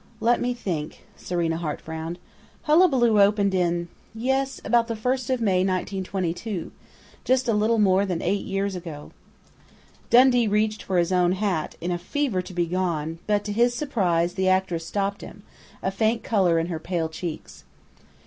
"Let me think!" Serena Hart frowned. "'Hullabaloo' opened in yes, about the first of May, 1922.... Just a little more than eight years ago." Dundee reached for his own hat, in a fever to be gone, but to his surprise the actress stopped him, a faint color in her pale cheeks.